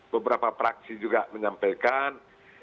beberapa praksi juga menyampaikan